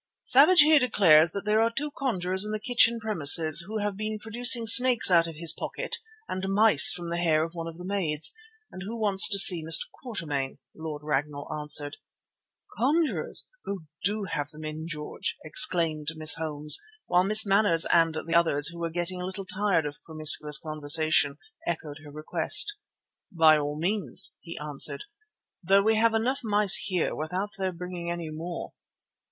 "Savage here declares that there are two conjurers in the kitchen premises, who have been producing snakes out of his pocket and mice from the hair of one of the maids, and who want to see Mr. Quatermain," Lord Ragnall answered. "Conjurers! Oh, do have them in, George," exclaimed Miss Holmes; while Miss Manners and the others, who were getting a little tired of promiscuous conversation, echoed her request. "By all means," he answered, "though we have enough mice here without their bringing any more.